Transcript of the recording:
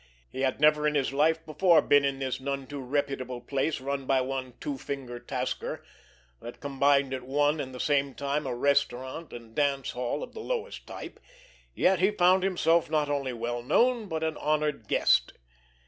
He had never in his life before been in this none too reputable place run by one Two finger Tasker, that combined at one and the same time a restaurant and dance hall of the lowest type, yet he found himself not only well known but an honored guest!